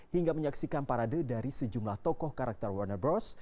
hingga menyaksikan parade dari sejumlah tokoh karakter warner bros